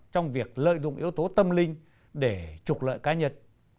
trong việc lợi dụng yếu tố tâm linh để trục lợi cá nhân